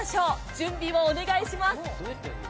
準備をお願いします。